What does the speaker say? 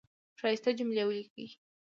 ښایسته جملی ولیکی